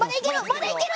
まだいける！